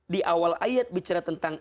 di awal ayat bicara tentang